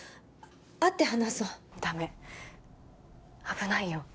会って話そうダメ危ないよ